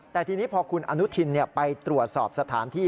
แต่ทีนี้พอคุณอนุทินไปตรวจสอบสถานที่